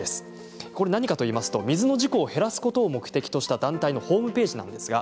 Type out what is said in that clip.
水の事故を減らすことを目的とした団体のホームページです。